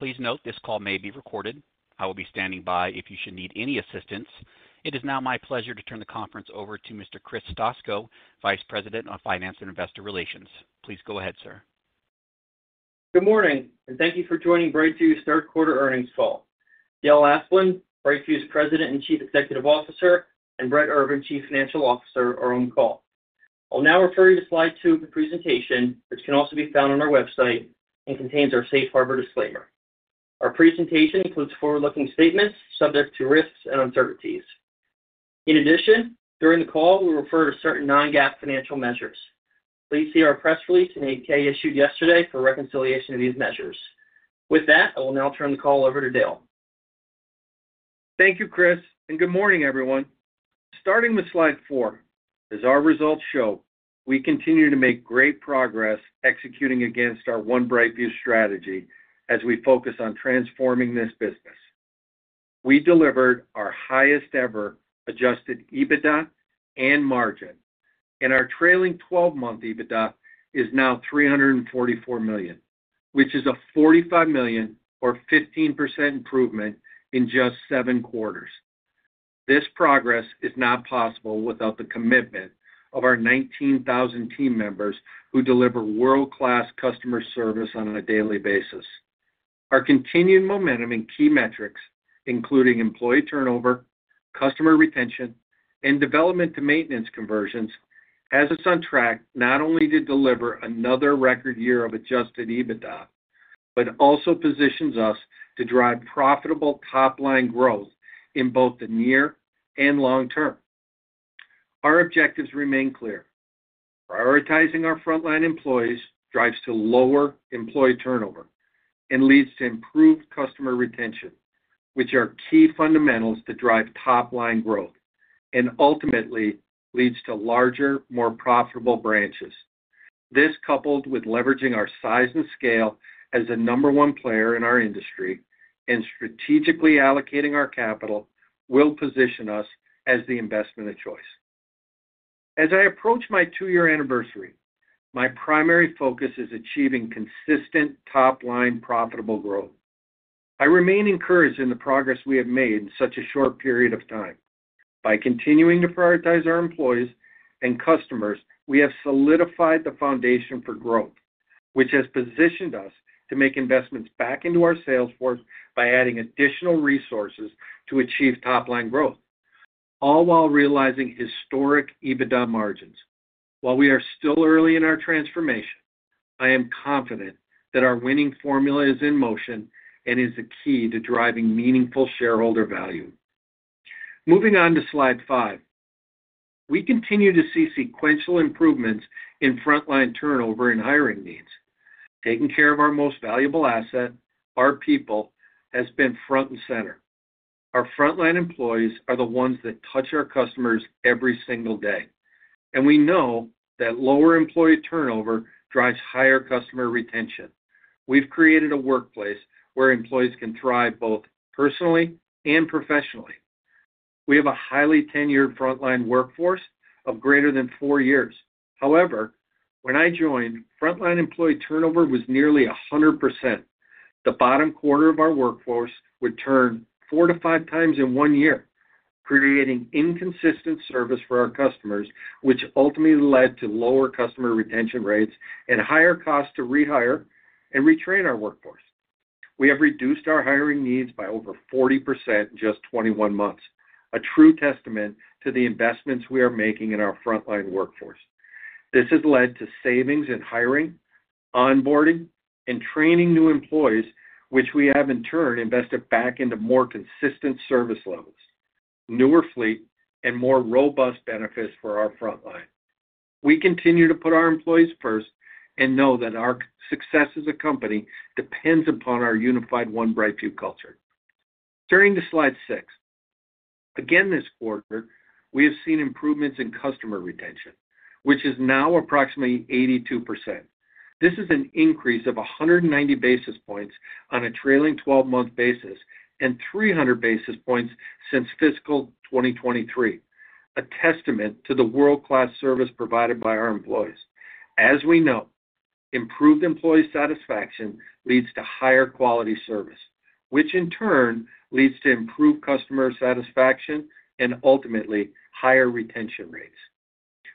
Please note this call may be recorded. I will be standing by if you should need any assistance. It is now my pleasure to turn the conference over to Mr. Chris Stoczko, Vice President of Finance and Investor Relations. Please go ahead, sir. Good morning, and thank you for joining BrightView's Third Quarter Earnings Call. Dale Asplund, BrightView's President and Chief Executive Officer, and Brett Urban, Chief Financial Officer, are on call. I'll now refer you to slide two of the presentation, which can also be found on our website and contains our safe harbor disclaimer. Our presentation includes forward-looking statements subject to risks and uncertainties. In addition, during the call, we'll refer to certain non-GAAP financial measures. Please see our press release and 8-K issued yesterday for reconciliation of these measures. With that, I will now turn the call over to Dale. Thank you, Chris, and good morning, everyone. Starting with slide four, as our results show, we continue to make great progress executing against our One BrightView strategy as we focus on transforming this business. We delivered our highest ever adjusted EBITDA and margin, and our trailing 12-month EBITDA is now $344 million, which is a $45 million or 15% improvement in just seven quarters. This progress is not possible without the commitment of our 19,000 team members who deliver world-class customer service on a daily basis. Our continued momentum in key metrics, including employee turnover, customer retention, and development to maintenance conversions, is on track not only to deliver another record year of adjusted EBITDA, but also positions us to drive profitable top-line growth in both the near and long term. Our objectives remain clear. Prioritizing our front-line employees drives to lower employee turnover and leads to improved customer retention, which are key fundamentals that drive top-line growth and ultimately lead to larger, more profitable branches. This, coupled with leveraging our size and scale as the number one player in our industry and strategically allocating our capital, will position us as the investment of choice. As I approach my two-year anniversary, my primary focus is achieving consistent top-line profitable growth. I remain encouraged in the progress we have made in such a short period of time. By continuing to prioritize our employees and customers, we have solidified the foundation for growth, which has positioned us to make investments back into our sales force by adding additional resources to achieve top-line growth, all while realizing historic EBITDA margins. While we are still early in our transformation, I am confident that our winning formula is in motion and is the key to driving meaningful shareholder value. Moving on to slide five, we continue to see sequential improvements in front-line turnover and hiring needs. Taking care of our most valuable asset, our people, has been front and center. Our front-line employees are the ones that touch our customers every single day, and we know that lower employee turnover drives higher customer retention. We've created a workplace where employees can thrive both personally and professionally. We have a highly tenured front-line workforce of greater than four years. However, when I joined, front-line employee turnover was nearly 100%. The bottom quarter of our workforce would turn four to five times in one year, creating inconsistent service for our customers, which ultimately led to lower customer retention rates and higher costs to rehire and retrain our workforce. We have reduced our hiring needs by over 40% in just 21 months, a true testament to the investments we are making in our front-line workforce. This has led to savings in hiring, onboarding, and training new employees, which we have in turn invested back into more consistent service levels, newer fleet, and more robust benefits for our front line. We continue to put our employees first and know that our success as a company depends upon our unified One BrightView culture. Turning to slide six, again this quarter, we have seen improvements in customer retention, which is now approximately 82%. This is an increase of 190 basis points on a trailing 12-month basis and 300 basis points since fiscal 2023, a testament to the world-class service provided by our employees. As we know, improved employee satisfaction leads to higher quality service, which in turn leads to improved customer satisfaction and ultimately higher retention rates.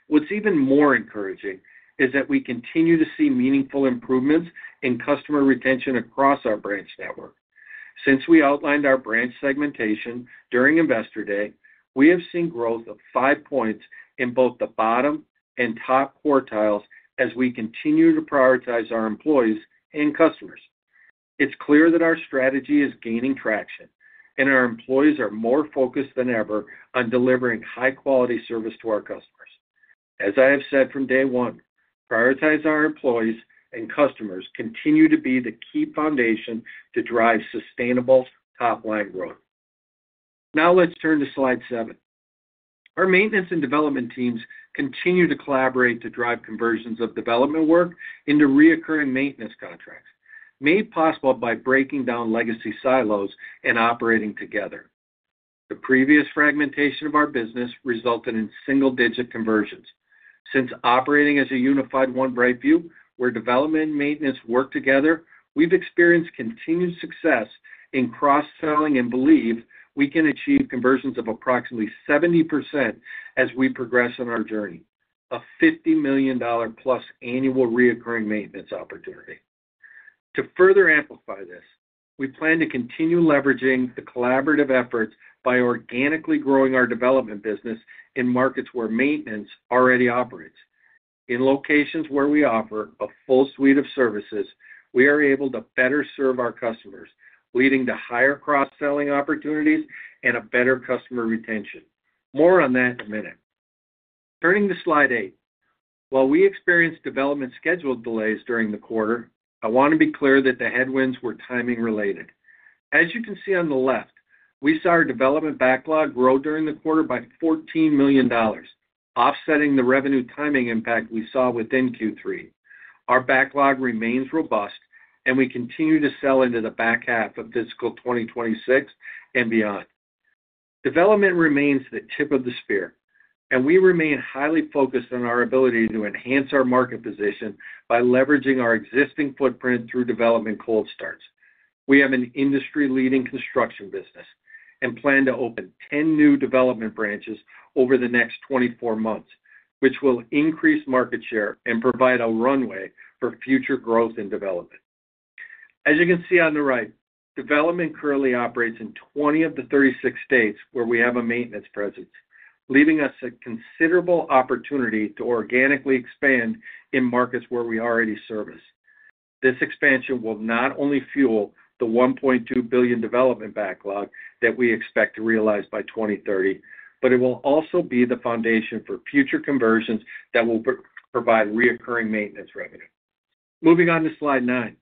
What's even more encouraging is that we continue to see meaningful improvements in customer retention across our branch network. Since we outlined our branch segmentation during Investor Day, we have seen growth of five points in both the bottom and top quartiles as we continue to prioritize our employees and customers. It's clear that our strategy is gaining traction, and our employees are more focused than ever on delivering high-quality service to our customers. As I have said from day one, prioritize our employees and customers continue to be the key foundation to drive sustainable top-line growth. Now let's turn to slide seven. Our maintenance and development teams continue to collaborate to drive conversions of development work into reoccurring maintenance contracts, made possible by breaking down legacy silos and operating together. The previous fragmentation of our business resulted in single-digit conversions. Since operating as a unified One BrightView, where development and maintenance work together, we've experienced continued success in cross-selling and believe we can achieve conversions of approximately 70% as we progress on our journey, a +$50 million annual reoccurring maintenance opportunity. To further amplify this, we plan to continue leveraging the collaborative efforts by organically growing our development business in markets where maintenance already operates. In locations where we offer a full suite of services, we are able to better serve our customers, leading to higher cross-selling opportunities and better customer retention. More on that in a minute. Turning to slide eight, while we experienced development schedule delays during the quarter, I want to be clear that the headwinds were timing related. As you can see on the left, we saw our development backlog grow during the quarter by $14 million, offsetting the revenue timing impact we saw within Q3. Our backlog remains robust, and we continue to sell into the back half of fiscal 2026 and beyond. Development remains the tip of the spear, and we remain highly focused on our ability to enhance our market position by leveraging our existing footprint through development cold starts. We have an industry-leading construction business and plan to open 10 new development branches over the next 24 months, which will increase market share and provide a runway for future growth and development. As you can see on the right, development currently operates in 20 of the 36 states where we have a maintenance presence, leaving us a considerable opportunity to organically expand in markets where we already service. This expansion will not only fuel the $1.2 billion development backlog that we expect to realize by 2030, but it will also be the foundation for future conversions that will provide recurring maintenance revenue. Moving on to slide nine,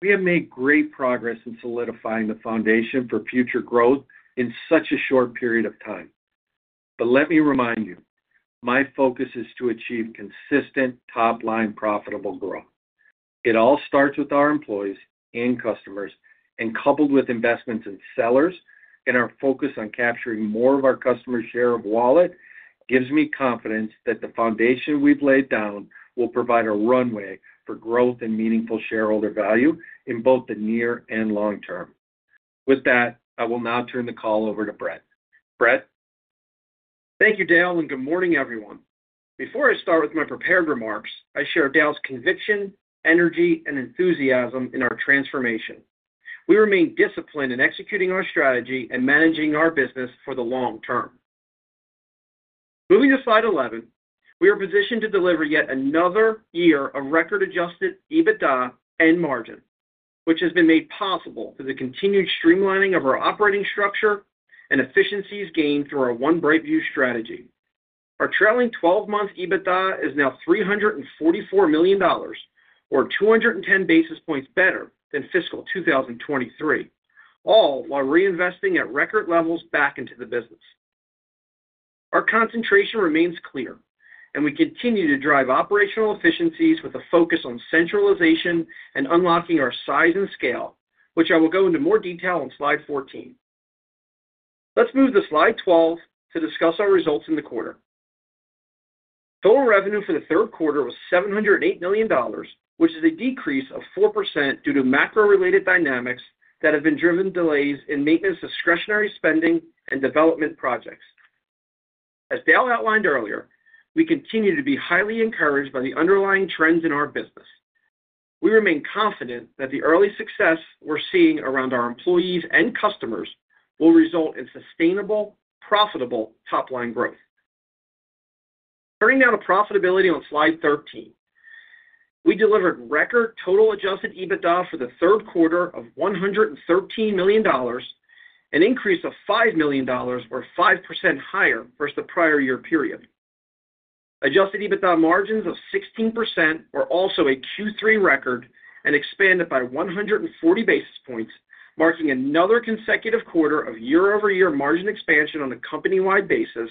we have made great progress in solidifying the foundation for future growth in such a short period of time. Let me remind you, my focus is to achieve consistent top-line profitable growth. It all starts with our employees and customers, and coupled with investments in sellers and our focus on capturing more of our customers' share of wallet gives me confidence that the foundation we've laid down will provide a runway for growth and meaningful shareholder value in both the near and long term. With that, I will now turn the call over to Brett. Brett? Thank you, Dale, and good morning, everyone. Before I start with my prepared remarks, I share Dale's conviction, energy, and enthusiasm in our transformation. We remain disciplined in executing our strategy and managing our business for the long term. Moving to slide 11, we are positioned to deliver yet another year of record adjusted EBITDA and margin, which has been made possible through the continued streamlining of our operating structure and efficiencies gained through our One BrightView strategy. Our trailing 12-month EBITDA is now $344 million, or 210 basis points better than fiscal 2023, all while reinvesting at record levels back into the business. Our concentration remains clear, and we continue to drive operational efficiencies with a focus on centralization and unlocking our size and scale, which I will go into more detail on slide 14. Let's move to slide 12 to discuss our results in the quarter. Total revenue for the third quarter was $708 million, which is a decrease of 4% due to macro-related dynamics that have driven delays in maintenance discretionary spending and development projects. As Dale outlined earlier, we continue to be highly encouraged by the underlying trends in our business. We remain confident that the early success we're seeing around our employees and customers will result in sustainable, profitable top-line growth. Turning now to profitability on slide 13, we delivered record total adjusted EBITDA for the third quarter of $113 million, an increase of $5 million, or 5% higher versus the prior year period. Adjusted EBITDA margins of 16% were also a Q3 record and expanded by 140 basis points, marking another consecutive quarter of year-over-year margin expansion on a company-wide basis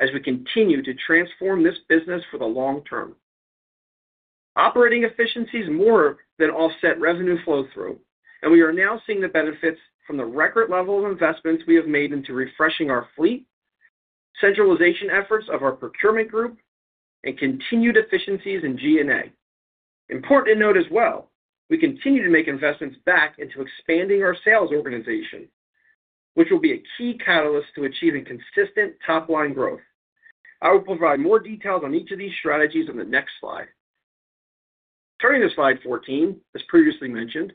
as we continue to transform this business for the long term. Operating efficiencies more than offset revenue flow-through, and we are now seeing the benefits from the record level of investments we have made into refreshing our fleet, centralization efforts of our procurement group, and continued efficiencies in G&A. Important to note as well, we continue to make investments back into expanding our sales organization, which will be a key catalyst to achieving consistent top-line growth. I will provide more details on each of these strategies on the next slide. Turning to slide 14, as previously mentioned,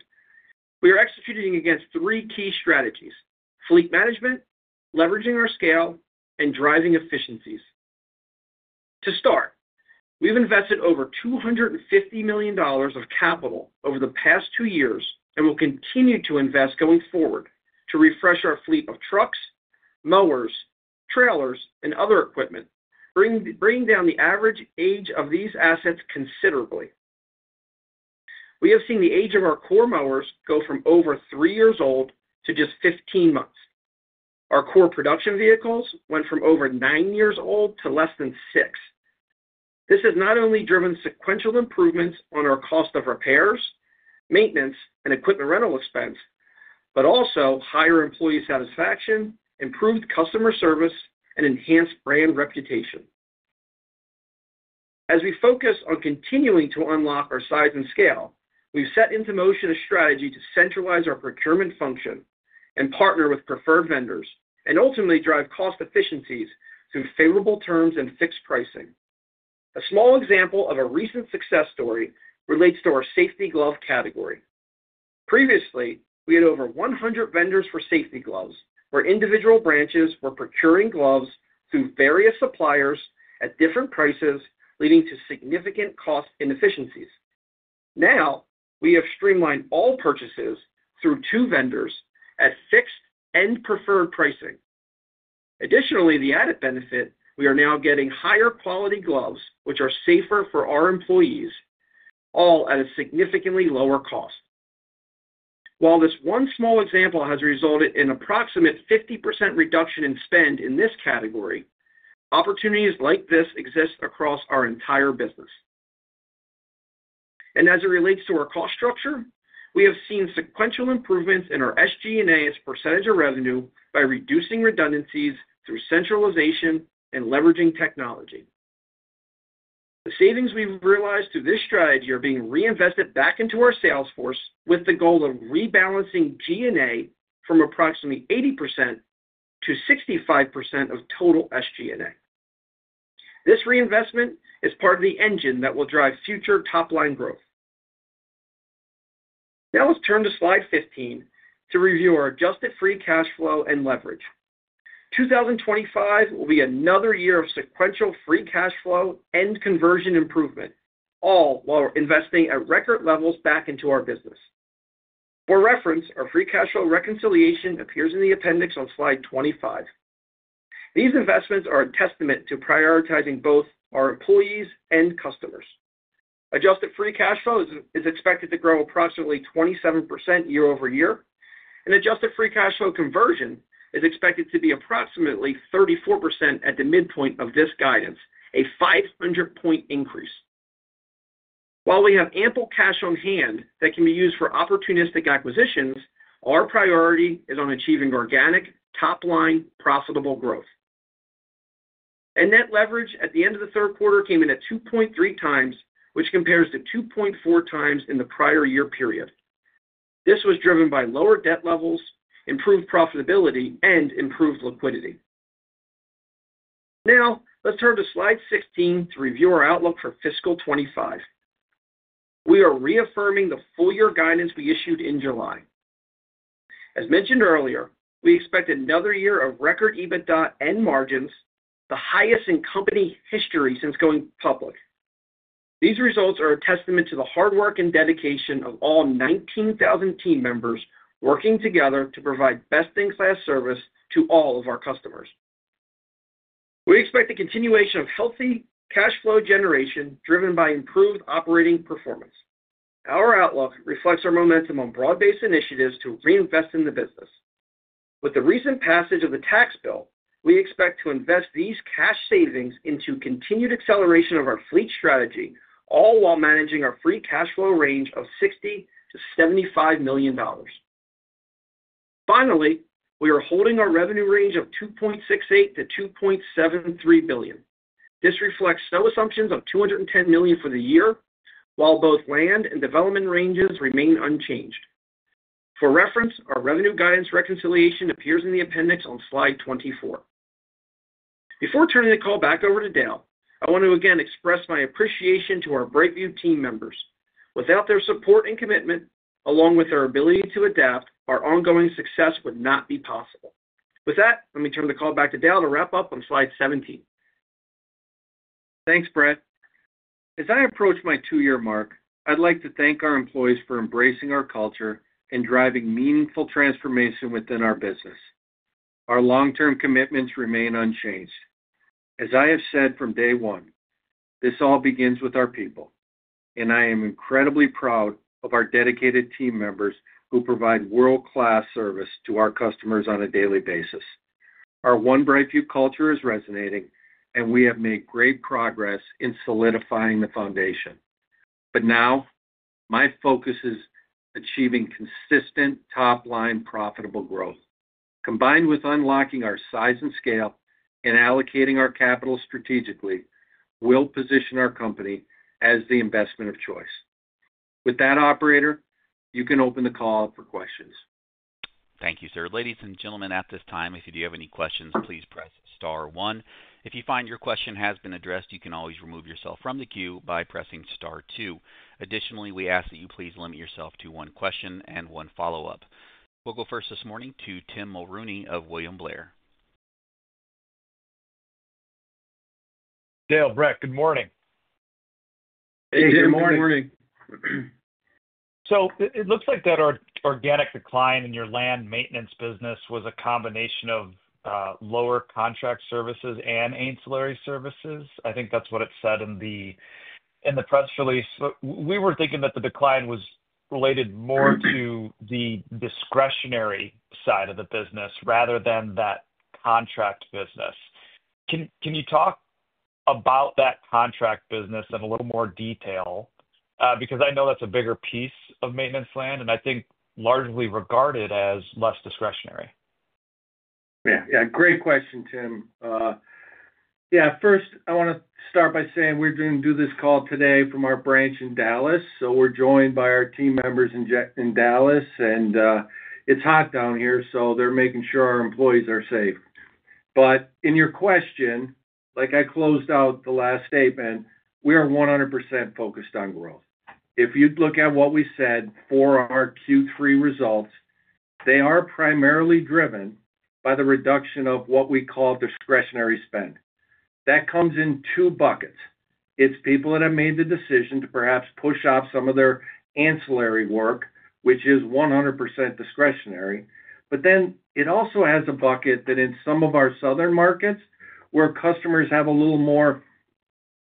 we are executing against three key strategies: fleet management, leveraging our scale, and driving efficiencies. To start, we've invested over $250 million of capital over the past two years and will continue to invest going forward to refresh our fleet of trucks, mowers, trailers, and other equipment, bringing down the average age of these assets considerably. We have seen the age of our core mowers go from over three years old to just 15 months. Our core production vehicles went from over nine years old to less than six. This has not only driven sequential improvements on our cost of repairs, maintenance, and equipment rental expense, but also higher employee satisfaction, improved customer service, and enhanced brand reputation. As we focus on continuing to unlock our size and scale, we've set into motion a strategy to centralize our procurement function and partner with preferred vendors and ultimately drive cost efficiencies through favorable terms and fixed pricing. A small example of a recent success story relates to our safety glove category. Previously, we had over 100 vendors for safety gloves where individual branches were procuring gloves through various suppliers at different prices, leading to significant cost inefficiencies. Now, we have streamlined all purchases through two vendors at fixed and preferred pricing. Additionally, the added benefit, we are now getting higher quality gloves, which are safer for our employees, all at a significantly lower cost. While this one small example has resulted in an approximate 50% reduction in spend in this category, opportunities like this exist across our entire business. As it relates to our cost structure, we have seen sequential improvements in our SG&A as a percentage of revenue by reducing redundancies through centralization and leveraging technology. The savings we've realized through this strategy are being reinvested back into our sales force with the goal of rebalancing G&A from approximately 80% to 65% of total SG&A. This reinvestment is part of the engine that will drive future top-line growth. Now let's turn to slide 15 to review our adjusted free cash flow and leverage. 2025 will be another year of sequential free cash flow and conversion improvement, all while investing at record levels back into our business. For reference, our free cash flow reconciliation appears in the appendix on slide 25. These investments are a testament to prioritizing both our employees and customers. Adjusted free cash flow is expected to grow approximately 27% year-over-year, and adjusted free cash flow conversion is expected to be approximately 34% at the midpoint of this guidance, a 500-point increase. While we have ample cash on hand that can be used for opportunistic acquisitions, our priority is on achieving organic top-line profitable growth. Net leverage at the end of the third quarter came in at 2.3x, which compares to 2.4x in the prior year period. This was driven by lower debt levels, improved profitability, and improved liquidity. Now let's turn to slide 16 to review our outlook for fiscal 2025. We are reaffirming the full-year guidance we issued in July. As mentioned earlier, we expect another year of record EBITDA and margins, the highest in company history since going public. These results are a testament to the hard work and dedication of all 19,000 team members working together to provide best-in-class service to all of our customers. We expect the continuation of healthy cash flow generation driven by improved operating performance. Our outlook reflects our momentum on broad-based initiatives to reinvest in the business. With the recent passage of the tax bill, we expect to invest these cash savings into continued acceleration of our fleet strategy, all while managing our free cash flow range of $60 million-$75 million. Finally, we are holding our revenue range of $2.68 billion-$2.73 billion. This reflects no assumptions of $210 million for the year, while both land and development ranges remain unchanged. For reference, our revenue guidance reconciliation appears in the appendix on slide 24. Before turning the call back over to Dale, I want to again express my appreciation to our BrightView team members. Without their support and commitment, along with their ability to adapt, our ongoing success would not be possible. With that, let me turn the call back to Dale to wrap up on slide 17. Thanks, Brett. As I approach my two-year mark, I'd like to thank our employees for embracing our culture and driving meaningful transformation within our business. Our long-term commitments remain unchanged. As I have said from day one, this all begins with our people, and I am incredibly proud of our dedicated team members who provide world-class service to our customers on a daily basis. Our One BrightView culture is resonating, and we have made great progress in solidifying the foundation. Now my focus is achieving consistent top-line profitable growth. Combined with unlocking our size and scale and allocating our capital strategically, we'll position our company as the investment of choice. With that, operator, you can open the call for questions. Thank you, sir. Ladies and gentlemen, at this time, if you do have any questions, please press star one. If you find your question has been addressed, you can always remove yourself from the queue by pressing star two. Additionally, we ask that you please limit yourself to one question and one follow-up. We'll go first this morning to Tim Mulrooney of William Blair. Dale, Brett, good morning. Hey, good morning. Hey, good morning. It looks like that organic decline in your landscape maintenance business was a combination of lower contract services and ancillary services. I think that's what it said in the press release. We were thinking that the decline was related more to the discretionary side of the business rather than that contract business. Can you talk about that contract business in a little more detail? I know that's a bigger piece of landscape maintenance and I think largely regarded as less discretionary. Yeah, great question, Tim. First, I want to start by saying we're doing this call today from our branch in Dallas. We're joined by our team members in Dallas, and it's hot down here, so they're making sure our employees are safe. In your question, like I closed out the last statement, we are 100% focused on growth. If you look at what we said for our Q3 results, they are primarily driven by the reduction of what we call discretionary spend. That comes in two buckets. It's people that have made the decision to perhaps push off some of their ancillary work, which is 100% discretionary. It also has a bucket that in some of our southern markets where customers have a little more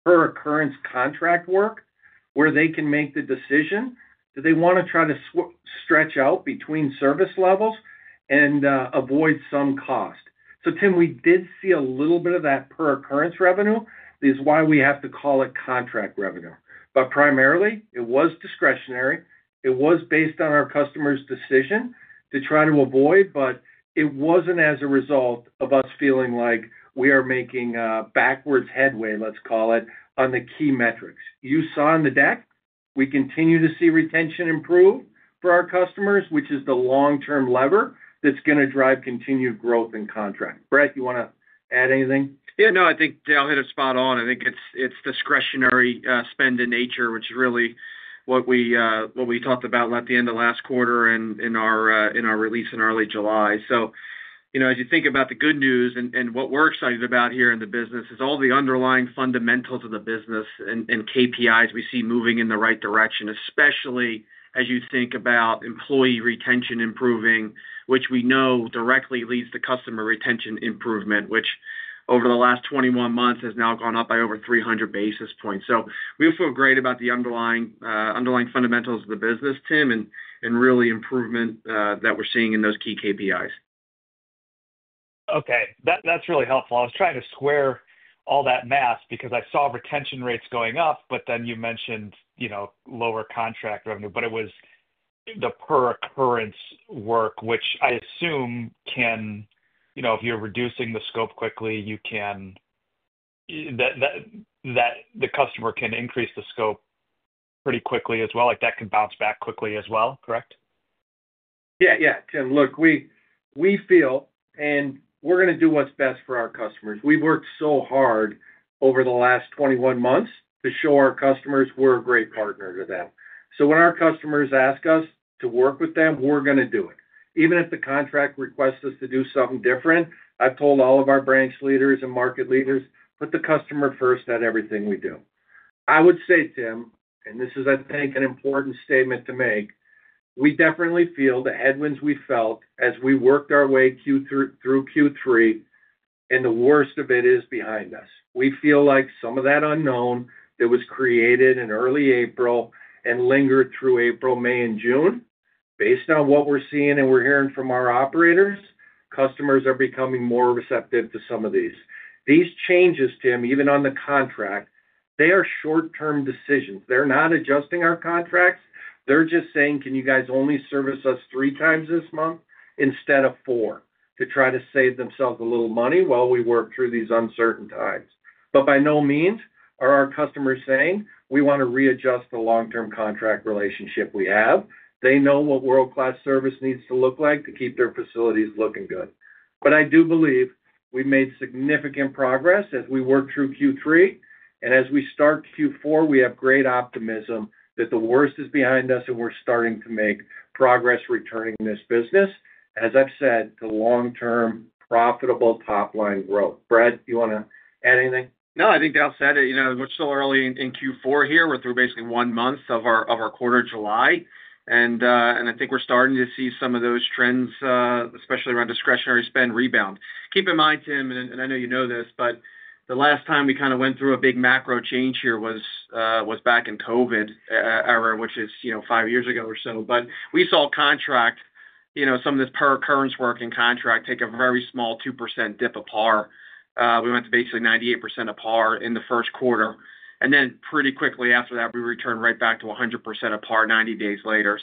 per occurrence contract work, they can make the decision that they want to try to stretch out between service levels and avoid some cost. Tim, we did see a little bit of that per occurrence revenue, which is why we have to call it contract revenue. Primarily, it was discretionary. It was based on our customers' decision to try to avoid, but it wasn't as a result of us feeling like we are making backwards headway, let's call it, on the key metrics. You saw in the deck, we continue to see retention improve for our customers, which is the long-term lever that's going to drive continued growth in contract. Brett, you want to add anything? Yeah, no, I think Dale hit it spot on. I think it's discretionary spend in nature, which is really what we talked about at the end of last quarter in our release in early July. As you think about the good news and what we're excited about here in the business, all the underlying fundamentals of the business and KPIs we see are moving in the right direction, especially as you think about employee retention improving, which we know directly leads to customer retention improvement, which over the last 21 months has now gone up by over 300 basis points. We feel great about the underlying fundamentals of the business, Tim, and really improvement that we're seeing in those key KPIs. Okay, that's really helpful. I was trying to square all that math because I saw retention rates going up, but then you mentioned, you know, lower contract revenue, but it was the per occurrence work, which I assume can, you know, if you're reducing the scope quickly, the customer can increase the scope pretty quickly as well. That can bounce back quickly as well, correct? Yeah, Tim, look, we feel and we're going to do what's best for our customers. We've worked so hard over the last 21 months to show our customers we're a great partner to them. When our customers ask us to work with them, we're going to do it. Even if the contract requests us to do something different, I've told all of our branch leaders and market leaders, put the customer first in everything we do. I would say, Tim, and this is, I think, an important statement to make, we definitely feel the headwinds we felt as we worked our way through Q3, and the worst of it is behind us. We feel like some of that unknown that was created in early April and lingered through April, May, and June, based on what we're seeing and we're hearing from our operators, customers are becoming more receptive to some of these. These changes, Tim, even on the contract, they are short-term decisions. They're not adjusting our contracts. They're just saying, can you guys only service us three times this month instead of four to try to save themselves a little money while we work through these uncertain times? By no means are our customers saying we want to readjust the long-term contract relationship we have. They know what world-class service needs to look like to keep their facilities looking good. I do believe we've made significant progress that we worked through Q3, and as we start Q4, we have great optimism that the worst is behind us and we're starting to make progress returning this business, as I've said, to long-term profitable top-line growth. Brett, do you want to add anything? No, I think Dale said it. You know, we're still early in Q4 here. We're through basically one month of our quarter of July, and I think we're starting to see some of those trends, especially around discretionary spend rebound. Keep in mind, Tim, and I know you know this, but the last time we kind of went through a big macro change here was back in COVID era, which is, you know, five years ago or so. We saw contract, you know, some of this per occurrence work in contract take a very small 2% dip apart. We went to basically 98% apart in the first quarter. Pretty quickly after that, we returned right back to 100% apart 90 days later.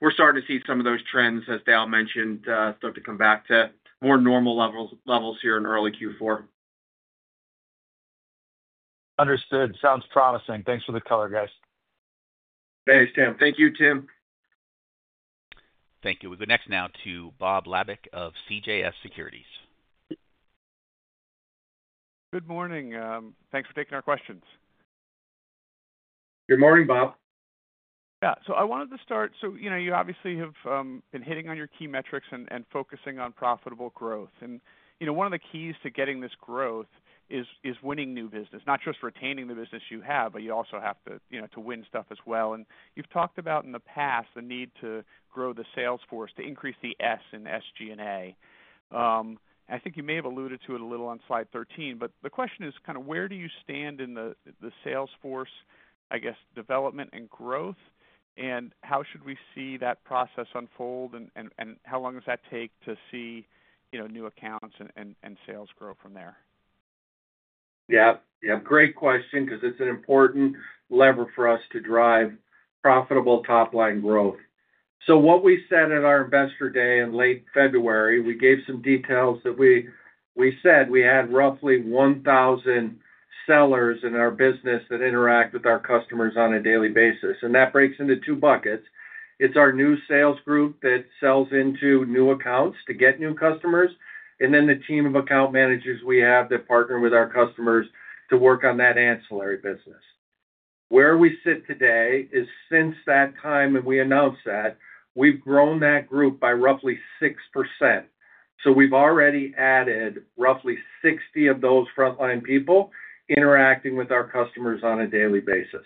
We're starting to see some of those trends, as Dale mentioned, start to come back to more normal levels here in early Q4. Understood. Sounds promising. Thanks for the color, guys. Thanks, Tim. Thank you, Tim. Thank you. We'll go next now to Bob Labick of CJS Securities. Good morning. Thanks for taking our questions. Good morning, Bob. Yeah, I wanted to start. You obviously have been hitting on your key metrics and focusing on profitable growth. One of the keys to getting this growth is winning new business, not just retaining the business you have, but you also have to win stuff as well. You've talked about in the past the need to grow the sales force to increase the S in SG&A. I think you may have alluded to it a little on slide 13, but the question is kind of where do you stand in the sales force, I guess, development and growth, and how should we see that process unfold and how long does that take to see new accounts and sales grow from there? Great question because it's an important lever for us to drive profitable top-line growth. What we said at our Investor Day in late February, we gave some details that we said we had roughly 1,000 sellers in our business that interact with our customers on a daily basis. That breaks into two buckets. It's our new sales group that sells into new accounts to get new customers, and then the team of account managers we have that partner with our customers to work on that ancillary business. Where we sit today is since that time that we announced that, we've grown that group by roughly 6%. We've already added roughly 60 of those frontline people interacting with our customers on a daily basis.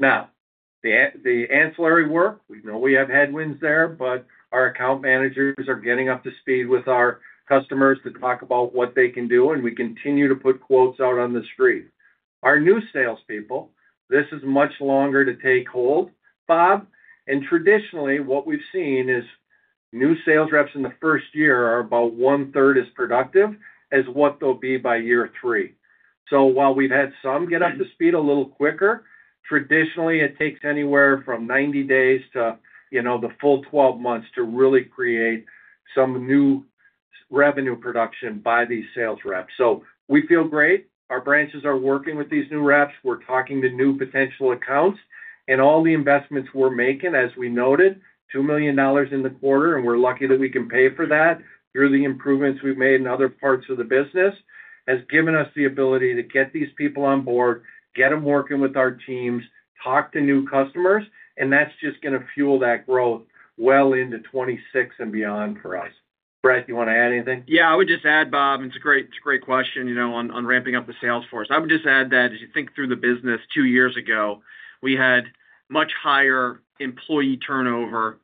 The ancillary work, we know we have headwinds there, but our account managers are getting up to speed with our customers to talk about what they can do, and we continue to put quotes out on the street. Our new salespeople, this is much longer to take hold, Bob, and traditionally what we've seen is new sales reps in the first year are about one-third as productive as what they'll be by year three. While we've had some get up to speed a little quicker, traditionally it takes anywhere from 90 days to the full 12 months to really create some new revenue production by these sales reps. We feel great. Our branches are working with these new reps. We're talking to new potential accounts, and all the investments we're making, as we noted, $2 million in the quarter, and we're lucky that we can pay for that through the improvements we've made in other parts of the business, has given us the ability to get these people on board, get them working with our teams, talk to new customers, and that's just going to fuel that growth well into 2026 and beyond for us. Brett, you want to add anything? Yeah, I would just add, Bob, it's a great question on ramping up the sales force. I would just add that as you think through the business, two years ago, we had much higher employee turnover,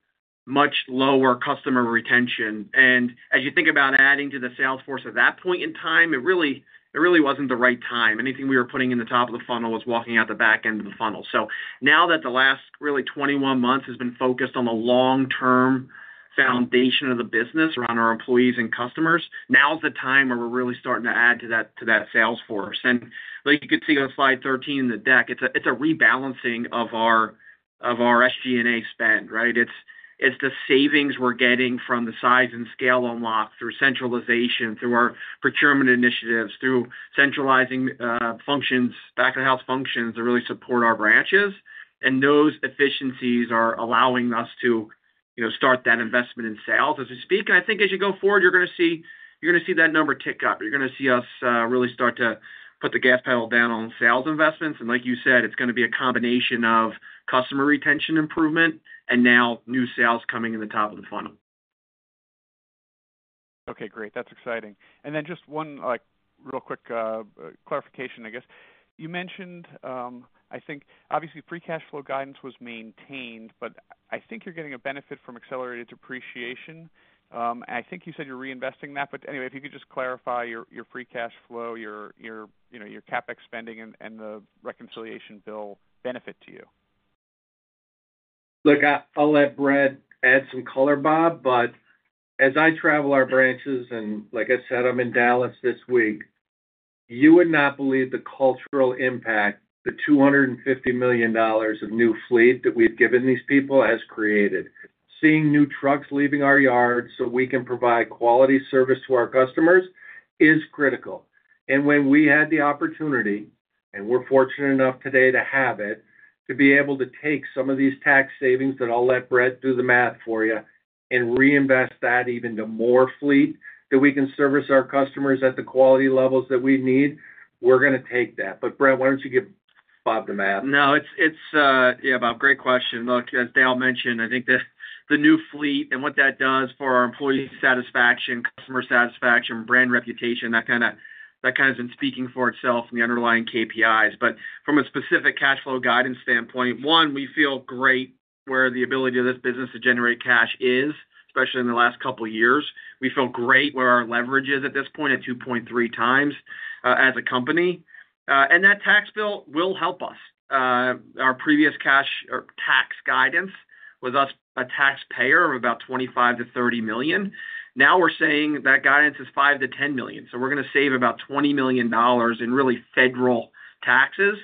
much lower customer retention, and as you think about adding to the sales force at that point in time, it really wasn't the right time. Anything we were putting in the top of the funnel was walking out the back end of the funnel. Now that the last really 21 months has been focused on the long-term foundation of the business around our employees and customers, now's the time where we're really starting to add to that sales force. Like you could see on slide 13 in the deck, it's a rebalancing of our SG&A spend, right? It's the savings we're getting from the size and scale unlocked through centralization, through our procurement initiatives, through centralizing functions, back-of-the-house functions to really support our branches. Those efficiencies are allowing us to start that investment in sales. As we speak, I think as you go forward, you're going to see that number tick up. You're going to see us really start to put the gas pedal down on sales investments. Like you said, it's going to be a combination of customer retention improvement and now new sales coming in the top of the funnel. Okay, great. That's exciting. Just one real quick clarification, I guess. You mentioned, I think, obviously free cash flow guidance was maintained, but I think you're getting a benefit from accelerated depreciation. I think you said you're reinvesting that. If you could just clarify your free cash flow, your CapEx spending, and the reconciliation bill benefit to you. Look, I'll let Brett add some color, Bob. As I travel our branches, and like I said, I'm in Dallas this week, you would not believe the cultural impact the $250 million of new fleet that we've given these people has created. Seeing new trucks leaving our yards so we can provide quality service to our customers is critical. When we had the opportunity, and we're fortunate enough today to have it, to be able to take some of these tax savings that I'll let Brett do the math for you and reinvest that even to more fleet that we can service our customers at the quality levels that we need, we're going to take that. Brett, why don't you give Bob the math? No, it's, yeah, Bob, great question. Look, as Dale mentioned, I think that the new fleet and what that does for our employee satisfaction, customer satisfaction, brand reputation, that kind of has been speaking for itself in the underlying KPIs. From a specific cash flow guidance standpoint, one, we feel great where the ability of this business to generate cash is, especially in the last couple of years. We feel great where our leverage is at this point at 2.3x as a company. That tax bill will help us. Our previous cash tax guidance was us a taxpayer of about $25-$30 million. Now we're saying that guidance is $5-$10 million. We're going to save about $20 million in really federal taxes.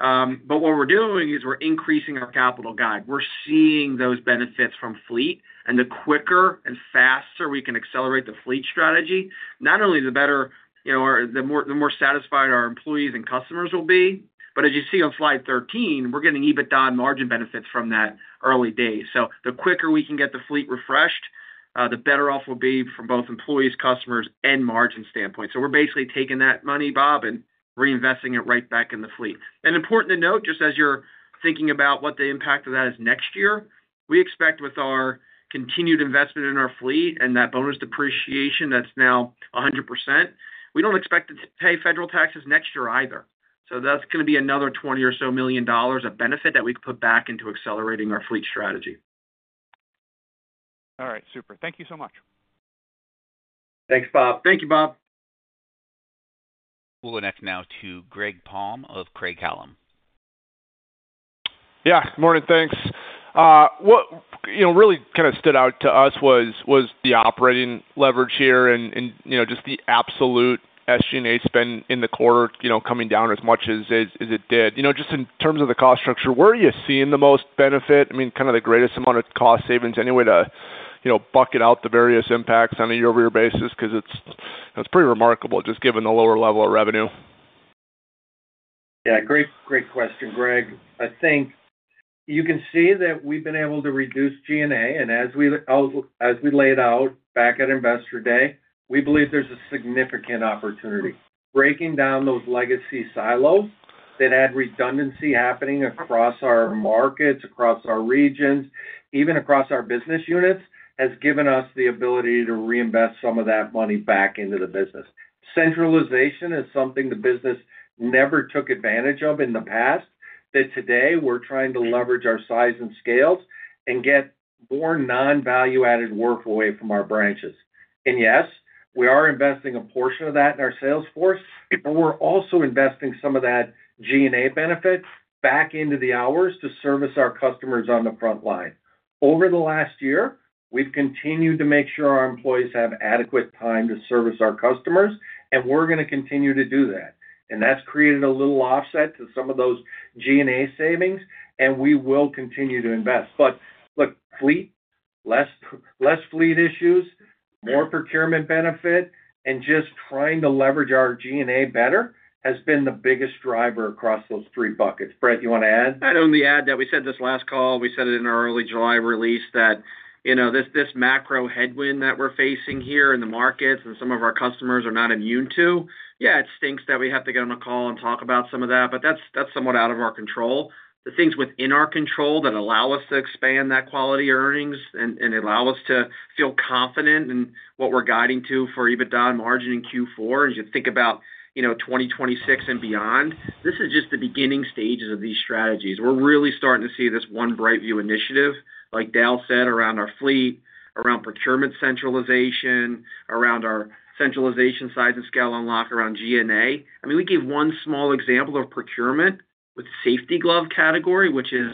What we're doing is we're increasing our capital guide. We're seeing those benefits from fleet, and the quicker and faster we can accelerate the fleet strategy, not only the better, the more satisfied our employees and customers will be, but as you see on slide 13, we're getting EBITDA and margin benefits from that early day. The quicker we can get the fleet refreshed, the better off we'll be from both employees, customers, and margin standpoint. We're basically taking that money, Bob, and reinvesting it right back in the fleet. Important to note, just as you're thinking about what the impact of that is next year, we expect with our continued investment in our fleet and that bonus depreciation that's now 100%, we don't expect to pay federal taxes next year either. That's going to be another $20 or so million of benefit that we've put back into accelerating our fleet strategy. All right, super. Thank you so much. Thanks, Bob. Thank you, Bob. We'll go next now to Greg Palm of Craig-Hallum. Good morning, thanks. What really kind of stood out to us was the operating leverage here and just the absolute SG&A spend in the quarter, coming down as much as it did. In terms of the cost structure, where are you seeing the most benefit? I mean, kind of the greatest amount of cost savings anyway to bucket out the various impacts on a year-over-year basis because it's pretty remarkable just given the lower level of revenue. Yeah, great question, Greg. I think you can see that we've been able to reduce G&A, and as we laid out back at Investor Day, we believe there's a significant opportunity. Breaking down those legacy silos that had redundancy happening across our markets, across our regions, even across our business units, has given us the ability to reinvest some of that money back into the business. Centralization is something the business never took advantage of in the past. Today we're trying to leverage our size and scales and get more non-value-added work away from our branches. Yes, we are investing a portion of that in our sales force, but we're also investing some of that G&A benefit back into the hours to service our customers on the front line. Over the last year, we've continued to make sure our employees have adequate time to service our customers, and we're going to continue to do that. That's created a little offset to some of those G&A savings, and we will continue to invest. Look, fleet, less fleet issues, more procurement benefit, and just trying to leverage our G&A better has been the biggest driver across those three buckets. Brett, you want to add? I'd only add that we said this last call, we said it in our early July release that, you know, this macro headwind that we're facing here in the markets and some of our customers are not immune to, yeah, it stinks that we have to get on a call and talk about some of that, but that's somewhat out of our control. The things within our control that allow us to expand that quality earnings and allow us to feel confident in what we're guiding to for EBITDA and margin in Q4, as you think about, you know, 2026 and beyond, this is just the beginning stages of these strategies. We're really starting to see this One BrightView initiative, like Dale said, around our fleet, around centralized procurement, around our centralization size and scale unlock around G&A. I mean, we gave one small example of procurement with the safety glove category, which is,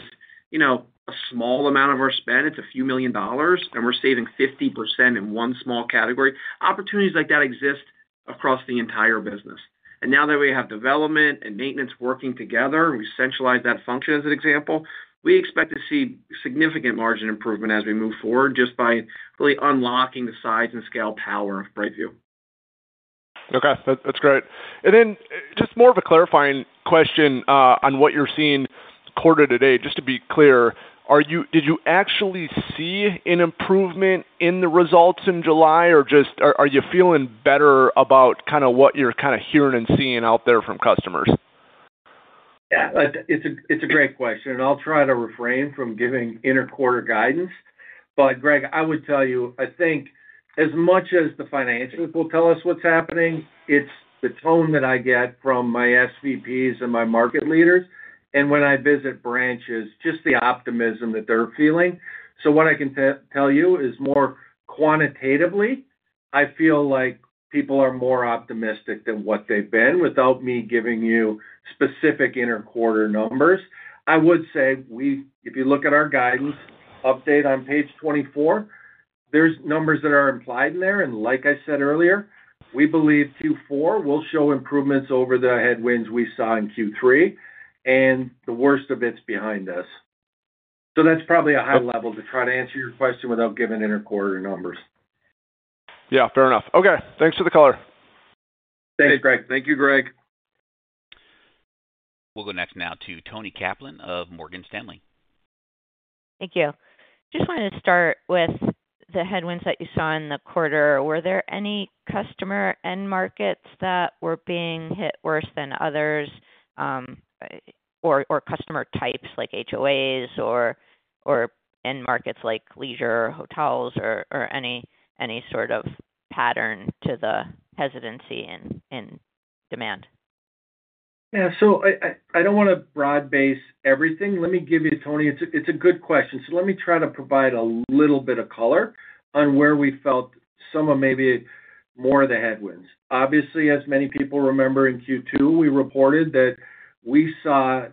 you know, a small amount of our spend. It's a few million dollars, and we're saving 50% in one small category. Opportunities like that exist across the entire business. Now that we have development and maintenance working together, and we've centralized that function as an example, we expect to see significant margin improvement as we move forward just by really unlocking the size and scale power of BrightView. Okay, that's great. Just more of a clarifying question on what you're seeing quarter to date. Just to be clear, did you actually see an improvement in the results in July, or are you just feeling better about kind of what you're hearing and seeing out there from customers? Yeah, it's a great question, and I'll try to refrain from giving interquarter guidance. Greg, I would tell you, I think as much as the financials will tell us what's happening, it's the tone that I get from my SVPs and my market leaders. When I visit branches, just the optimism that they're feeling. What I can tell you is more quantitatively, I feel like people are more optimistic than what they've been without me giving you specific interquarter numbers. I would say if you look at our guidance update on page 24, there's numbers that are implied in there. Like I said earlier, we believe Q4 will show improvements over the headwinds we saw in Q3, and the worst of it's behind us. That's probably a high level to try to answer your question without giving interquarter numbers. Yeah, fair enough. Okay, thanks for the color. Thanks, Greg. Thank you, Greg. We'll go next now to Toni Kaplan of Morgan Stanley. Thank you. I just wanted to start with the headwinds that you saw in the quarter. Were there any customer end markets that were being hit worse than others, or customer types like HOAs, or end markets like leisure or hotels, or any sort of pattern to the hesitancy in demand? Yeah, I don't want to broad base everything. Let me give you, Toni, it's a good question. Let me try to provide a little bit of color on where we felt some of maybe more of the headwinds. Obviously, as many people remember in Q2, we reported that we saw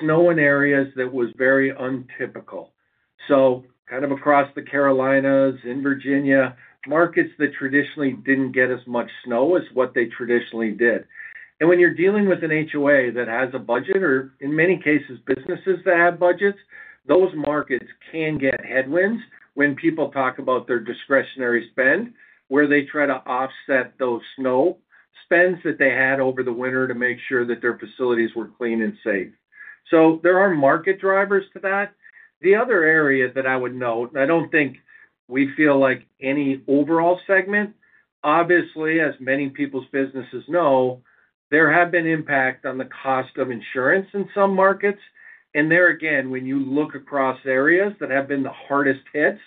snow in areas that were very untypical, kind of across the Carolinas, in Virginia, markets that traditionally didn't get as much snow as what they traditionally did. When you're dealing with an HOA that has a budget, or in many cases, businesses that have budgets, those markets can get headwinds when people talk about their discretionary spend, where they try to offset those snow spends that they had over the winter to make sure that their facilities were clean and safe. There are market drivers to that. The other area that I would note, I don't think we feel like any overall segment, obviously, as many people's businesses know, there have been impacts on the cost of insurance in some markets. There again, when you look across areas that have been the hardest hits,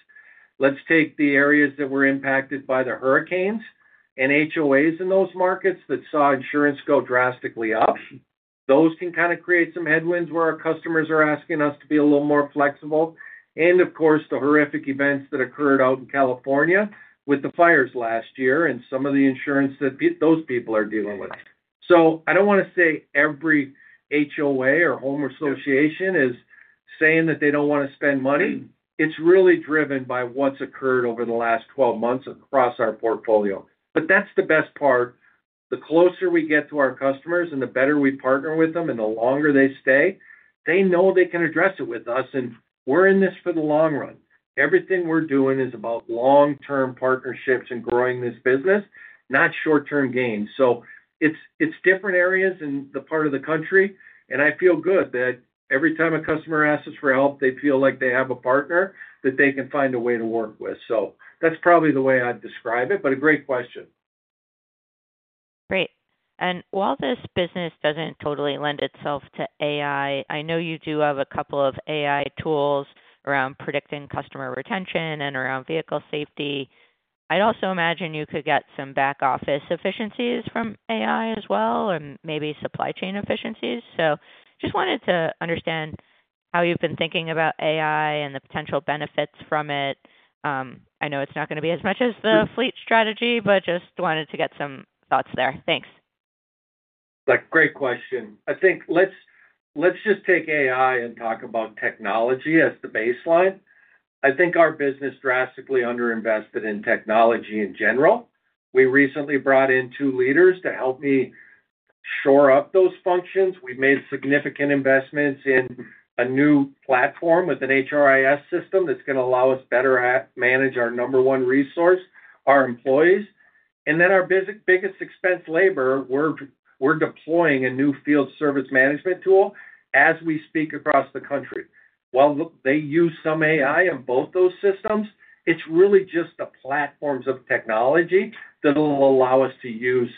let's take the areas that were impacted by the hurricanes and HOAs in those markets that saw insurance go drastically up. Those can kind of create some headwinds where our customers are asking us to be a little more flexible. Of course, the horrific events that occurred out in California with the fires last year and some of the insurance that those people are dealing with. I don't want to say every HOA or home association is saying that they don't want to spend money. It's really driven by what's occurred over the last 12 months across our portfolio. That's the best part. The closer we get to our customers and the better we partner with them and the longer they stay, they know they can address it with us. We're in this for the long run. Everything we're doing is about long-term partnerships and growing this business, not short-term gains. It's different areas in the part of the country. I feel good that every time a customer asks us for help, they feel like they have a partner that they can find a way to work with. That's probably the way I'd describe it, but a great question. Great. While this business doesn't totally lend itself to AI, I know you do have a couple of AI tools around predicting customer retention and around vehicle safety. I would also imagine you could get some back-office efficiencies from AI as well and maybe supply chain efficiencies. I just wanted to understand how you've been thinking about AI and the potential benefits from it. I know it's not going to be as much as the fleet strategy, but just wanted to get some thoughts there. Thanks. Great question. I think let's just take AI and talk about technology as the baseline. I think our business drastically underinvested in technology in general. We recently brought in two leaders to help me shore up those functions. We made significant investments in a new platform with an HRIS system that's going to allow us better to manage our number one resource, our employees. Our biggest expense, labor, we're deploying a new field service management tool as we speak across the country. While they use some AI on both those systems, it's really just the platforms of technology that will allow us to use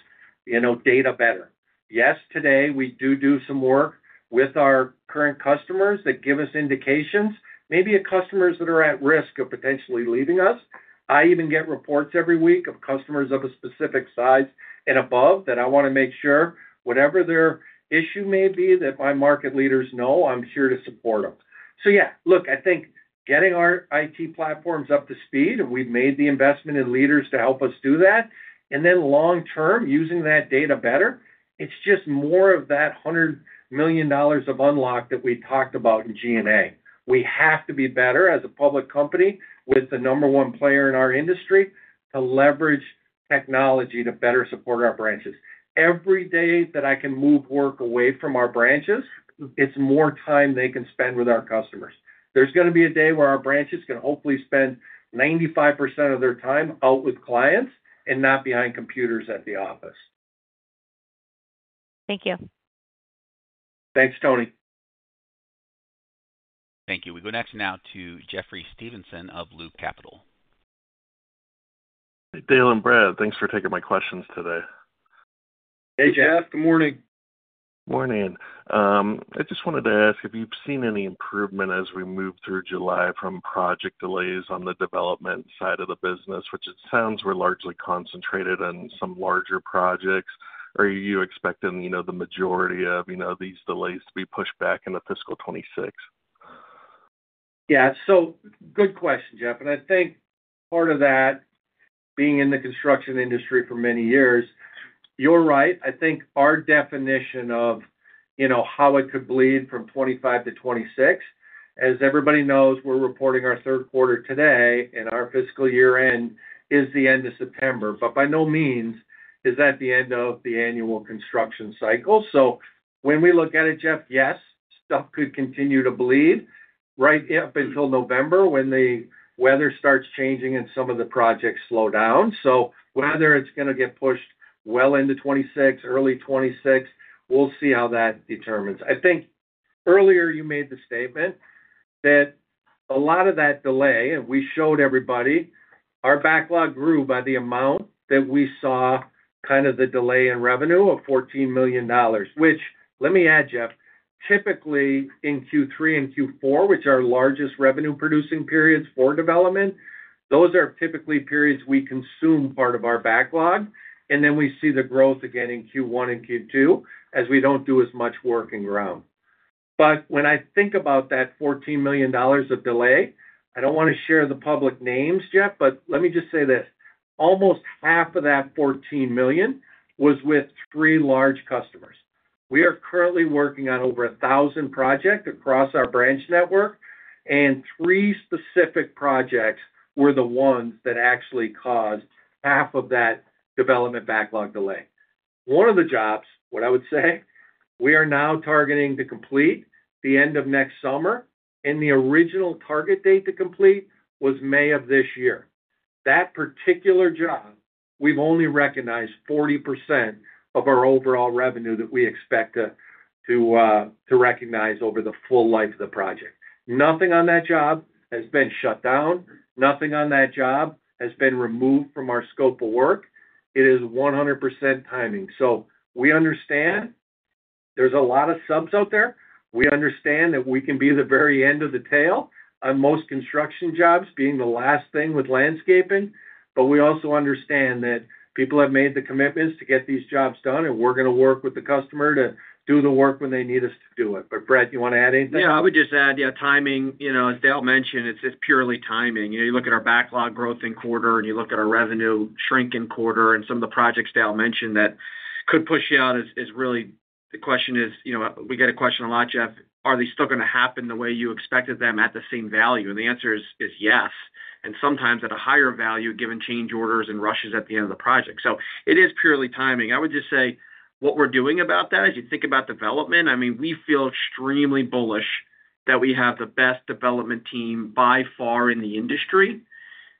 data better. Yes, today we do do some work with our current customers that give us indications, maybe customers that are at risk of potentially leaving us. I even get reports every week of customers of a specific size and above that I want to make sure whatever their issue may be that my market leaders know, I'm here to support them. I think getting our IT platforms up to speed, and we've made the investment in leaders to help us do that. Long-term, using that data better, it's just more of that $100 million of unlock that we talked about in G&A. We have to be better as a public company with the number one player in our industry to leverage technology to better support our branches. Every day that I can move work away from our branches, it's more time they can spend with our customers. There's going to be a day where our branches can hopefully spend 95% of their time out with clients and not behind computers at the office. Thank you. Thanks, Toni. Thank you. We go next now to Jeffrey Stevenson of Loop Capital. Dale and Brett, thanks for taking my questions today. Hey, Jeffrey, good morning. Morning. I just wanted to ask, have you seen any improvement as we move through July from project delays on the development side of the business, which it sounds were largely concentrated on some larger projects? Are you expecting the majority of these delays to be pushed back into fiscal 2026? Yeah, good question, Jeff. I think part of that, being in the construction industry for many years, you're right. I think our definition of how it could bleed from 2025 to 2026, as everybody knows, we're reporting our third quarter today, and our fiscal year end is the end of September. By no means is that the end of the annual construction cycle. When we look at it, Jeff, yes, stuff could continue to bleed right up until November when the weather starts changing and some of the projects slow down. Whether it's going to get pushed well into 2026, early 2026, we'll see how that determines. I think earlier you made the statement that a lot of that delay, and we showed everybody, our backlog grew by the amount that we saw, kind of the delay in revenue of $14 million, which let me add, Jeff, typically in Q3 and Q4, which are our largest revenue-producing periods for development, those are typically periods we consume part of our backlog. We see the growth again in Q1 and Q2 as we don't do as much work in ground. When I think about that $14 million of delay, I don't want to share the public names, Jeff, but let me just say this, almost half of that $14 million was with three large customers. We are currently working on over a thousand projects across our branch network, and three specific projects were the ones that actually caused half of that development backlog delay. One of the jobs, what I would say, we are now targeting to complete the end of next summer, and the original target date to complete was May of this year. That particular job, we've only recognized 40% of our overall revenue that we expect to recognize over the full life of the project. Nothing on that job has been shut down. Nothing on that job has been removed from our scope of work. It is 100% timing. We understand there's a lot of subs out there. We understand that we can be the very end of the tail on most construction jobs, being the last thing with landscaping. We also understand that people have made the commitments to get these jobs done, and we're going to work with the customer to do the work when they need us to do it. Brett, you want to add anything? Yeah, I would just add, timing, as Dale mentioned, it's just purely timing. You look at our backlog growth in quarter, and you look at our revenue shrink in quarter, and some of the projects Dale mentioned that could push you out is really the question. We get a question a lot, Jeff, are they still going to happen the way you expected them at the same value? The answer is yes, and sometimes at a higher value given change orders and rushes at the end of the project. It is purely timing. I would just say what we're doing about that, as you think about development, we feel extremely bullish that we have the best development team by far in the industry.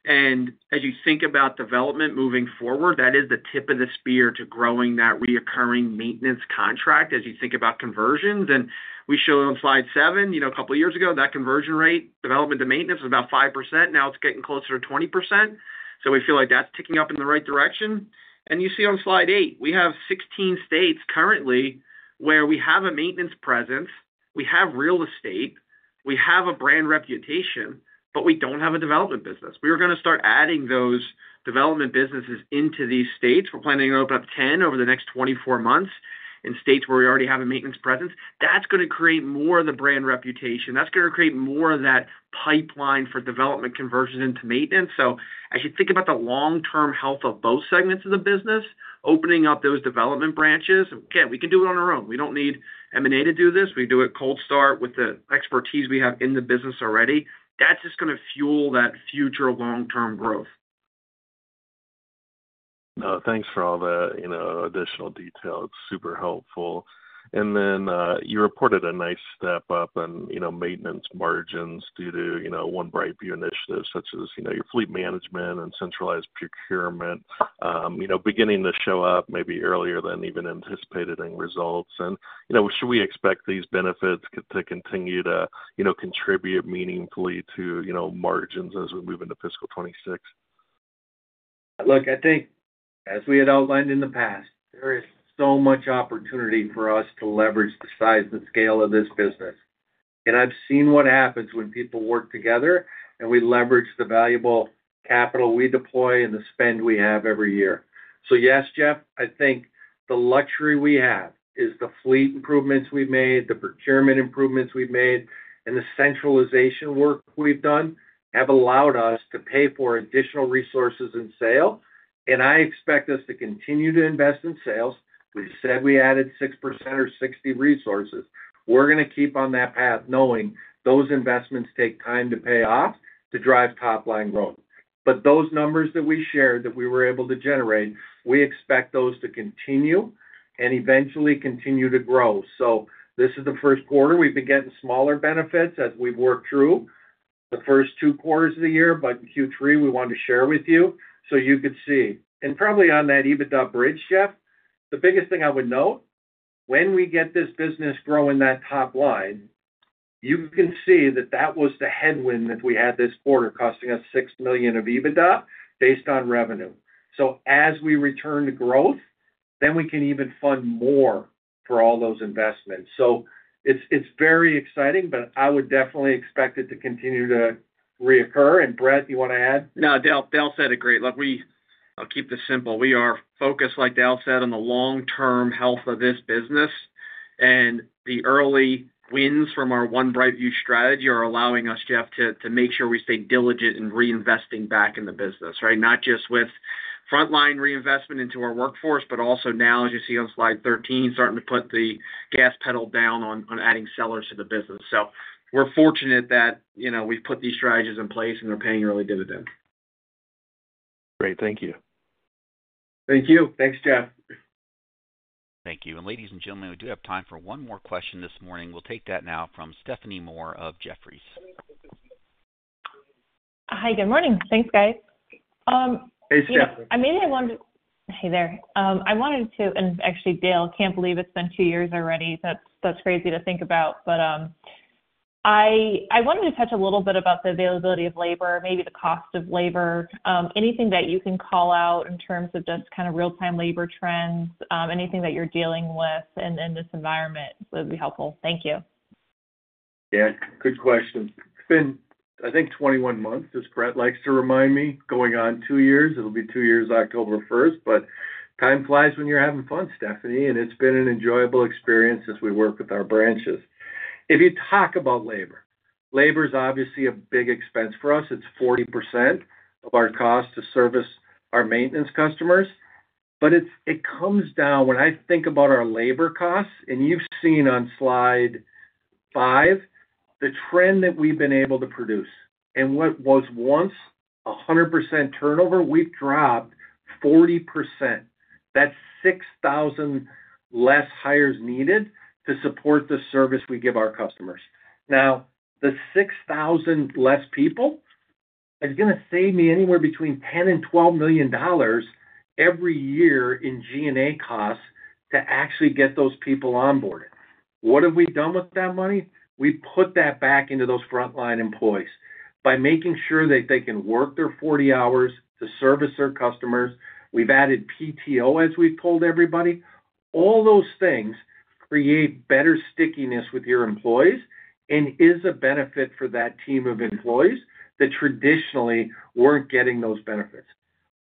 As you think about development moving forward, that is the tip of the spear to growing that recurring maintenance contract as you think about conversions. We showed on slide seven, a couple of years ago, that conversion rate development to maintenance was about 5%. Now it's getting closer to 20%. We feel like that's ticking up in the right direction. You see on slide eight, we have 16 states currently where we have a maintenance presence, we have real estate, we have a brand reputation, but we don't have a development business. We are going to start adding those development businesses into these states. We're planning to open up 10 over the next 24 months in states where we already have a maintenance presence. That's going to create more of the brand reputation. That's going to create more of that pipeline for development conversion into maintenance. As you think about the long-term health of both segments of the business, opening up those development branches, again, we can do it on our own. We don't need M&A to do this. We can do it cold start with the expertise we have in the business already. That's just going to fuel that future long-term growth. Thanks for all the additional details. Super helpful. You reported a nice step up in maintenance margins due to One BrightView initiatives such as your fleet management and centralized procurement, beginning to show up maybe earlier than even anticipated in results. Should we expect these benefits to continue to contribute meaningfully to margins as we move into fiscal 2026? Look, I think as we had outlined in the past, there is so much opportunity for us to leverage the size and scale of this business. I've seen what happens when people work together and we leverage the valuable capital we deploy and the spend we have every year. Yes, Jeff, I think the luxury we have is the fleet improvements we've made, the procurement improvements we've made, and the centralization work we've done have allowed us to pay for additional resources in sales. I expect us to continue to invest in sales. We've said we added 6% or 60 resources. We're going to keep on that path knowing those investments take time to pay off to drive top-line growth. Those numbers that we shared that we were able to generate, we expect those to continue and eventually continue to grow. This is the first quarter. We've been getting smaller benefits that we've worked through the first two quarters of the year. Q3 we wanted to share with you so you could see. Probably on that EBITDA bridge, Jeff, the biggest thing I would note, when we get this business growing that top line, you can see that that was the headwind that we had this quarter costing us $6 million of EBITDA based on revenue. As we return to growth, then we can even fund more for all those investments. It's very exciting, but I would definitely expect it to continue to reoccur. Brett, you want to add? No, Dale said it great. Look, I'll keep this simple. We are focused, like Dale said, on the long-term health of this business. The early wins from our One BrightView strategy are allowing us, Jeff, to make sure we stay diligent in reinvesting back in the business, right? Not just with front-line reinvestment into our workforce, but also now, as you see on slide 13, starting to put the gas pedal down on adding sellers to the business. We're fortunate that we've put these strategies in place and they're paying early dividends. Great, thank you. Thank you. Thanks, Jeff. Thank you. Ladies and gentlemen, we do have time for one more question this morning. We'll take that now from Stephanie Moore of Jefferies. Hi, good morning. Thanks, guys. Hey, Steph. Hey there. I wanted to, Dale, I can't believe it's been two years already. That's crazy to think about. I wanted to touch a little bit about the availability of labor, maybe the cost of labor. Anything that you can call out in terms of just kind of real-time labor trends, anything that you're dealing with in this environment would be helpful. Thank you. Yeah, good question. It's been, I think, 21 months, as Brett likes to remind me. Going on two years, it'll be two years October 1. Time flies when you're having fun, Stephanie, and it's been an enjoyable experience as we work with our branches. If you talk about labor, labor is obviously a big expense for us. It's 40% of our cost to service our maintenance customers. It comes down when I think about our labor costs, and you've seen on slide five the trend that we've been able to produce. What was once 100% turnover, we've dropped 40%. That's 6,000 less hires needed to support the service we give our customers. Now, the 6,000 less people is going to save me anywhere between $10 million and $12 million every year in G&A costs to actually get those people onboarded. What have we done with that money? We put that back into those front-line employees by making sure that they can work their 40 hours to service their customers. We've added PTO, as we've told everybody. All those things create better stickiness with your employees and is a benefit for that team of employees that traditionally weren't getting those benefits.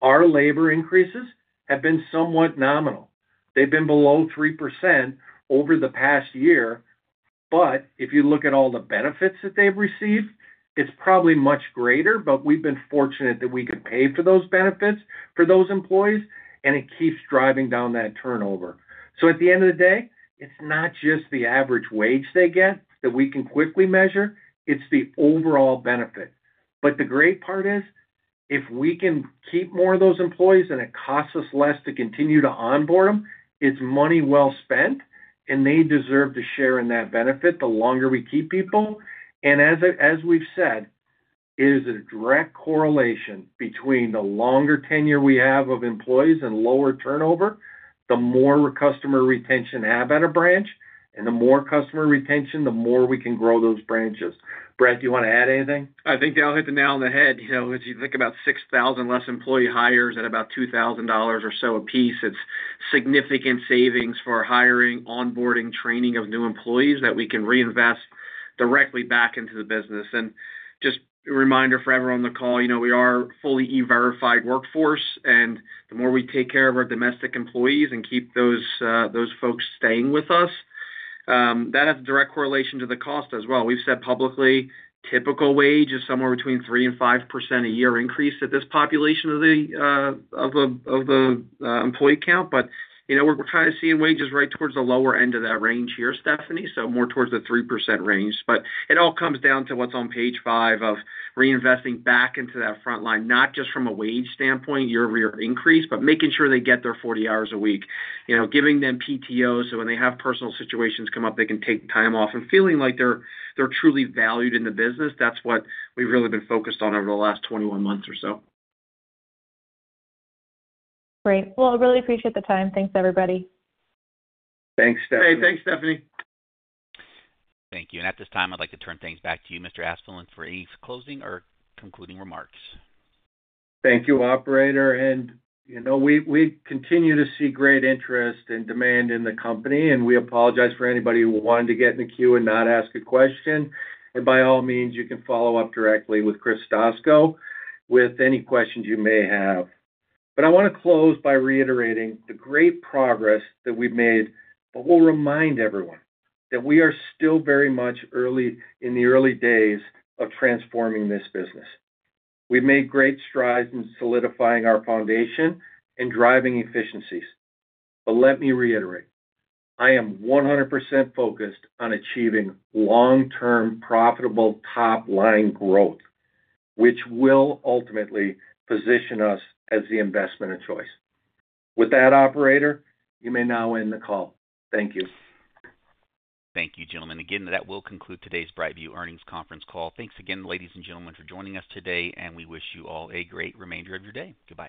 Our labor increases have been somewhat nominal. They've been below 3% over the past year. If you look at all the benefits that they've received, it's probably much greater. We've been fortunate that we could pay for those benefits for those employees, and it keeps driving down that turnover. At the end of the day, it's not just the average wage they get that we can quickly measure. It's the overall benefit. The great part is if we can keep more of those employees and it costs us less to continue to onboard them, it's money well spent, and they deserve to share in that benefit the longer we keep people. As we've said, it is a direct correlation between the longer tenure we have of employees and lower turnover, the more customer retention we have at a branch, and the more customer retention, the more we can grow those branches. Brett, do you want to add anything? I think Dale hit the nail on the head. As you think about 6,000 less employee hires at about $2,000 or so apiece, it's significant savings for hiring, onboarding, training of new employees that we can reinvest directly back into the business. Just a reminder for everyone on the call, we are a fully E-Verify workforce, and the more we take care of our domestic employees and keep those folks staying with us, that has a direct correlation to the cost as well. We've said publicly, typical wage is somewhere between 3% and 5% a year increase at this population of the employee count. We're kind of seeing wages right towards the lower end of that range here, Stephanie, so more towards the 3% range. It all comes down to what's on page five of reinvesting back into that front line, not just from a wage standpoint, year-over-year increase, but making sure they get their 40 hours a week, giving them PTO so when they have personal situations come up, they can take time off and feeling like they're truly valued in the business. That's what we've really been focused on over the last 21 months or so. Great. I really appreciate the time. Thanks, everybody. Thanks, Stephanie. Hey, thanks Stephanie. Thank you. At this time, I'd like to turn things back to you, Mr. Asplund, for any closing or concluding remarks. Thank you, operator. We continue to see great interest and demand in the company, and we apologize for anybody who wanted to get in the queue and not ask a question. By all means, you can follow up directly with Chris Stoczko with any questions you may have. I want to close by reiterating the great progress that we've made, and remind everyone that we are still very much in the early days of transforming this business. We've made great strides in solidifying our foundation and driving efficiencies. Let me reiterate, I am 100% focused on achieving long-term profitable top-line growth, which will ultimately position us as the investment of choice. With that, operator, you may now end the call. Thank you. Thank you, gentlemen. Again, that will conclude today's BrightView earnings conference call. Thanks again, ladies and gentlemen, for joining us today, and we wish you all a great remainder of your day. Goodbye.